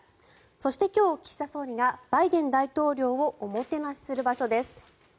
そして今日、岸田総理がバイデン大統領をおもてなしする場所です。